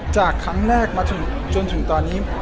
จากครั้งแรกมาจนถึงตอนนี้